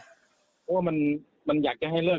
เพราะว่ามันอยากจะให้เลิก